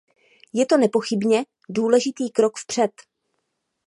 Je to nepochybně důležitý krok vpřed.